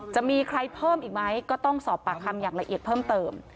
จะมีใครเพิ่มอีกไหมก็ต้องสอบปากคำอย่างละเอียดเพิ่มเติม